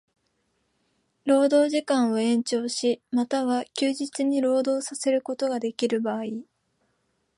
労働時間を延長し、又は休日に労働させることができる場合